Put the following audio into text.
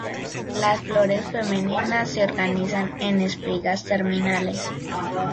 Las flores femeninas se organizan en espigas terminales.